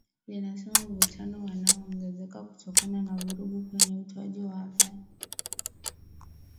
linasema mvutano unaongezeka kutokana na vurugu kwenye utoaji wa habari